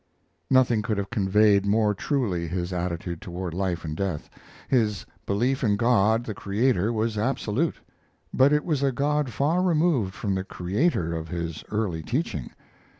Nothing could have conveyed more truly his attitude toward life and death. His belief in God, the Creator, was absolute; but it was a God far removed from the Creator of his early teaching.